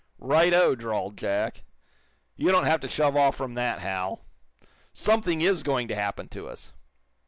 "Right o," drawled Jack. "You don't have to shove off from that, Hal. Something is going to happen to us.